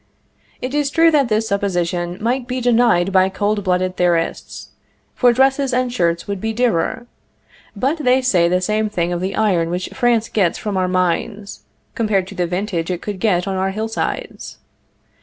It is true that this supposition might be denied by cold blooded theorists, for dresses and shirts would be dearer. But they say the same thing of the iron which France gets from our mines, compared to the vintage it could get on our hillsides.